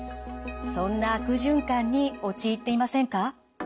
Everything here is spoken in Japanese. そんな悪循環に陥っていませんか？